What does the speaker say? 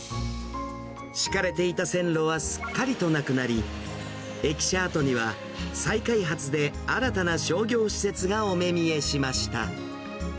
敷かれていた線路はすっかりとなくなり、駅舎跡には再開発で新たな商業施設がお目見えしました。